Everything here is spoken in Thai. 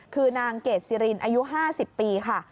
คือนางเกดซิรินอายุ๕๐ปีค่ะ